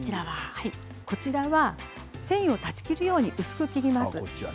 こちらは繊維を断ち切るように薄く切ります。